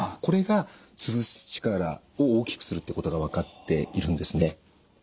これがつぶす力を大きくするってことが分かっているんですね。